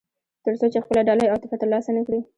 تر څو چې خپله ډالۍ او تحفه ترلاسه نه کړي.